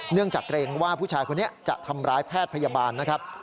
จากเกรงว่าผู้ชายคนนี้จะทำร้ายแพทย์พยาบาลนะครับ